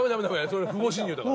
それ不法侵入だから。